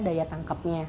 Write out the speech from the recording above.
daya tangkap musiknya